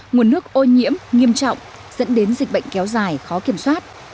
nguồn nước ô nhiễm nghiêm trọng dẫn đến dịch bệnh kéo dài khó kiểm soát